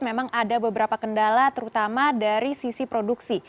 memang ada beberapa kendala terutama dari sisi produksi